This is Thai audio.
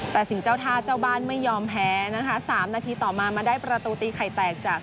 แต่สิ่งเจ้าท่าเจ้าบ้านไม่ยอมแพ้นะคะสามนาทีต่อมามาได้ประตูตีไข่แตกจาก